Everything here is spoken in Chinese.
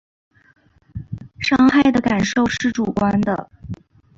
伤害的感受是主观的